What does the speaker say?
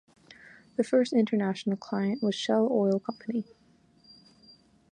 The first international client was Shell Oil Company.